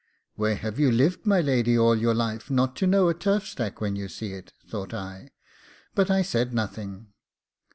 Where have you lived, my lady, all your life, not to know a turf stack when you see it? thought I; but I said nothing.